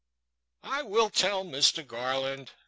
I will tell, Mr. Garland